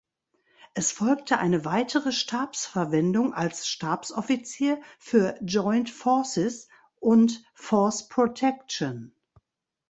Es folgte eine weitere Stabsverwendung als Stabsoffizier für "joint forces" und "force protection".